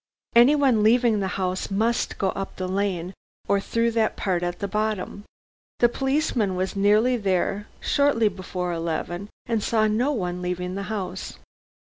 Anyone leaving the house must go up the lane or through that part at the bottom. The policeman was near there shortly before eleven and saw no one leaving the house."